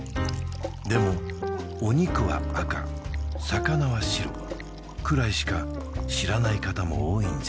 でもお肉は赤魚は白くらいしか知らない方も多いんじゃ？